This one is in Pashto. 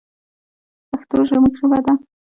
پښتو زموږ ژبه ده